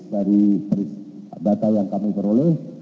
dari data yang kami teroleh